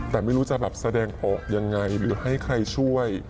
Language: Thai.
แต่ไม่รู้จะแบบแสดงออกยังไงหรือให้ใครช่วย